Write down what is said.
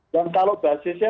dan kalau basisnya